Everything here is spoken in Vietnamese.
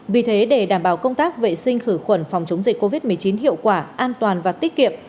vì thế để đảm bảo công tác vệ sinh khử khuẩn phòng chống dịch covid một mươi chín hiệu quả an toàn và tiết kiệm